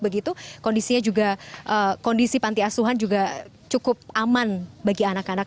begitu kondisi pantai asuhan juga cukup aman bagi anak anak